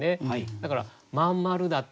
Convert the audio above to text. だからまんまるだった